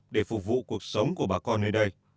để phục vụ cuộc sống của bà con nơi đây